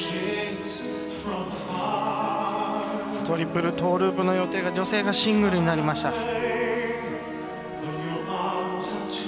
トリプルトーループの予定が女性がシングルになりました。